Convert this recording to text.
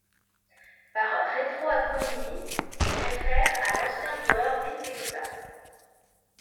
Par rétroacronymie, il réfère à l'ancien joueur Bill Pecota.